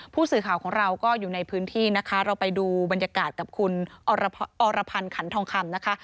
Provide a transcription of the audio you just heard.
ผู้สื่อข่าวของเราก็อยู่ในพื้นที่นะคะเราไปดูบรรยากาศกับคุณอรพันธ์ขันทองคำนะคะ